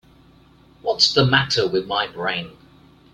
What's the matter with my brain?